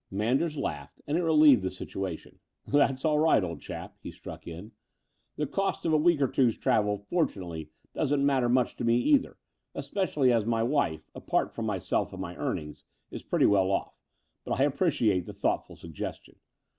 *' Manders laughed: and it relieved the situation. ••That's all right, old chap," he struck in. ''The cost of a week or two's travel fortunately doesn't matter much to me either, especially as my wife, apart from myself and my earnings, is pretty well off: but I appreciate the thoughtful suggestion.